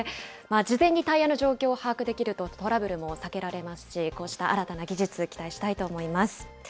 事前にタイヤの状況を把握できると、トラブルも避けられますし、こうした新たな技術、期待したいと思います。